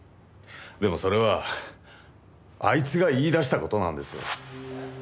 でもそれはあいつが言い出した事なんです。